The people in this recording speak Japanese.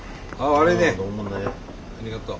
ありがとう。